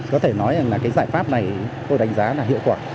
có thể nói rằng là cái giải pháp này tôi đánh giá là hiệu quả